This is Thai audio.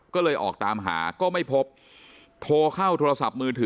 ก็เลยออกตามหาก็ไม่พบโทรเข้าโทรศัพท์มือถือ